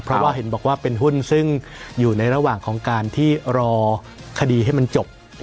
เพราะว่าเห็นบอกว่าเป็นหุ้นซึ่งอยู่ในระหว่างของการที่รอคดีให้มันจบ